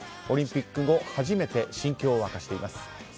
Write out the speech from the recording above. オリンピック後初めて心境を明かしています。